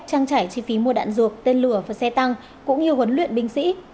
trang trải chi phí mua đạn ruột tên lửa và xe tăng cũng như huấn luyện binh sĩ